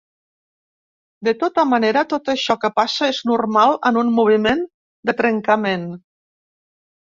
De tota manera, tot això que passa és normal en un moviment de trencament.